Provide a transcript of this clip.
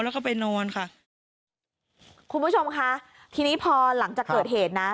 ทีนี้พอหลังจากเกิดเหตุนะ